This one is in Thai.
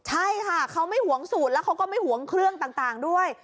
ใช่ค่ะเขาไม่หวงสูตรแล้วเขาก็ไม่ห่วงเครื่องต่างด้วย